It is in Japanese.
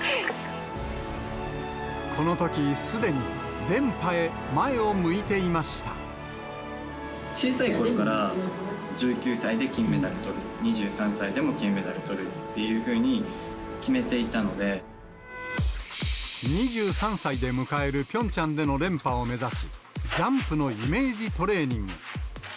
このときすでに連覇へ、小さいころから、１９歳で金メダルをとる、２３歳でも金メダルをとるっていうふう２３歳で迎えるピョンチャンでの連覇を目指し、ジャンプのイメージトレーニング。